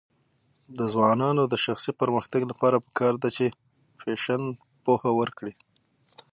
د ځوانانو د شخصي پرمختګ لپاره پکار ده چې فیشن پوهه ورکړي.